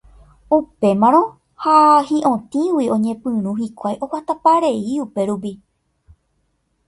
Upémarõ ha hi'otĩgui oñepyrũ hikuái oguataparei upérupi.